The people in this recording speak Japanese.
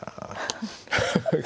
ハハハ。